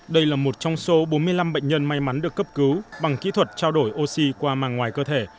đây là một trong số bốn mươi năm bệnh nhân may mắn được cấp cứu bằng kỹ thuật trao đổi oxy qua màng ngoài cơ thể